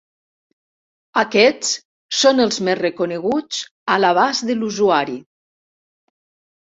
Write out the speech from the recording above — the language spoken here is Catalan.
Aquest són els més reconeguts a l'abast de l'usuari.